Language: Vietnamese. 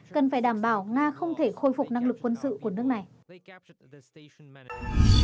cần phải đảm bảo nga không thể khôi phục năng lực quân sự của nước này